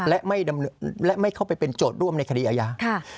และไม่เข้าไปเป็นโจทย์ร่วมในคดีอาญา